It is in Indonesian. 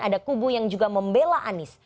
ada kubu yang juga membela anies